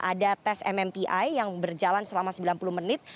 ada tes mmpi yang berjalan selama sembilan puluh menit